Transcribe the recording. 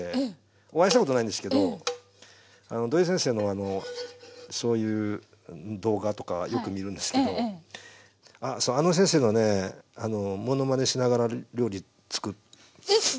お会いしたことないんですけど土井先生のそういう動画とかはよく見るんですけどあの先生のねものまねしながら料理つくる。